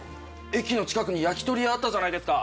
駅の近くに焼き鳥屋あったじゃないですか。